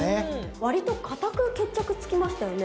わりと堅く決着つきましたよね。